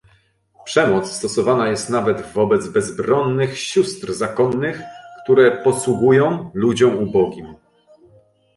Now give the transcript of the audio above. Przemoc stosowana jest nawet wobec bezbronnych sióstr zakonnych, które posługują ludziom ubogim